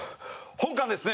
本官ですね